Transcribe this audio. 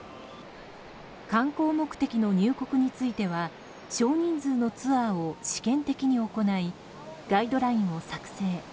観光目的の入国については少人数のツアーを試験的に行いガイドラインを作成。